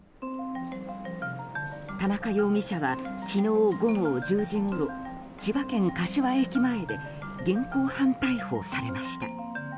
田中容疑者は昨日午後１０時ごろ千葉県柏駅前で現行犯逮捕されました。